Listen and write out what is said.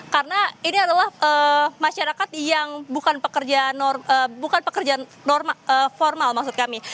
karena ini adalah masyarakat yang bukan pekerjaan formal maksud kami